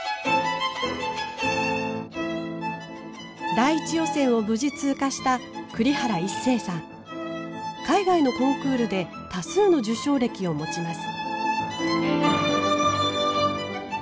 第１予選を無事通過した海外のコンクールで多数の受賞歴を持ちます。